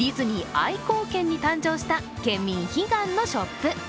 愛好県に誕生した県民悲願のショップ。